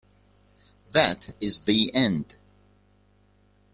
That is the end.